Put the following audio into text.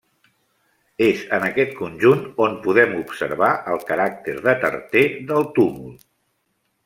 És en aquest conjunt on podem observar el caràcter de tarter del túmul.